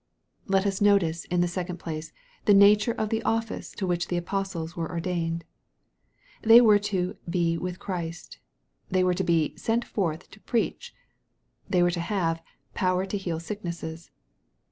Let us notice, in the second place, the nature of the office to which the apostles were ordained. They were to "be with Christ." They were to be "sent forth to preach." They were to have " power to heal sicknesses."